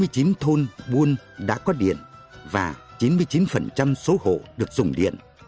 quân buôn đã có điện và chín mươi chín số hộ được dùng điện